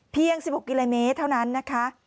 ๑๖กิโลเมตรเท่านั้นนะคะ